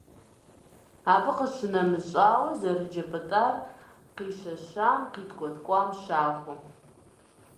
Абы къищынэмыщӀауэ, зэрыджэ пӀытӀар къищэщам, къиткӀуэткӀуам щахуэ.